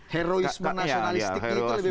heroisme nasionalistik itu lebih besar